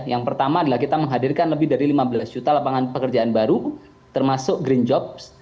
yang pertama adalah kita menghadirkan lebih dari lima belas juta lapangan pekerjaan baru termasuk green jobs